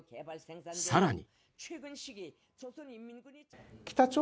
更に。